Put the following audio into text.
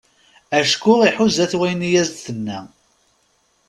Acku iḥuza-t wayen i as-d-tenna.